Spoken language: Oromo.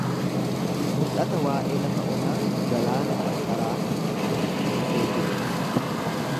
Mul’ata waa’ee lafa onaa galaana qarqaraa kanatti fufee jiru dha.